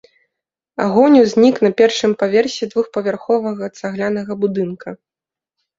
Агонь узнік на першым паверсе двухпавярховага цаглянага будынка.